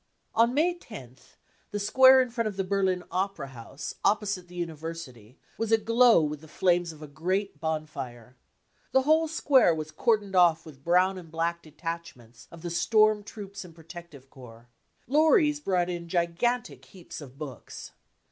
On May 10th the square in front of the Berlin opera house, opposite the university, was aglow with the flames of a great bonfire. The whole square was cordoned off with brown and black detachments of the storm troops and pro tective corps. Lorries brought in gigantic heaps of books.